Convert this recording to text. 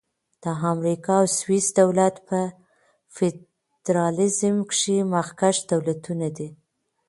د امریکا او سویس دولت په فدرالیزم کښي مخکښ دولتونه دي.